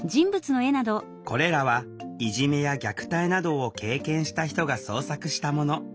これらはいじめや虐待などを経験した人が創作したもの。